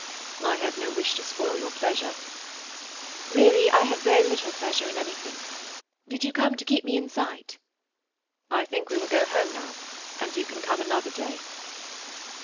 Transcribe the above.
"I have no wish to spoil your pleasure." "Really, I have very little pleasure in anything. Did you come to keep me in sight?" "I think we will go home now, and you can come another day."